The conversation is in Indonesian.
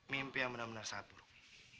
mimpi yang benar benar saat buruk